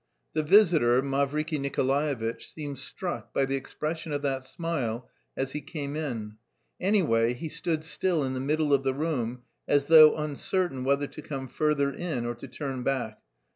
The visitor, Mavriky Nikolaevitch, seemed struck by the expression of that smile as he came in; anyway, he stood still in the middle of the room as though uncertain whether to come further in or to turn back.